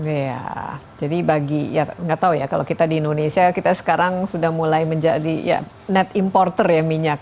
iya jadi bagi ya nggak tahu ya kalau kita di indonesia kita sekarang sudah mulai menjadi ya net importer ya minyak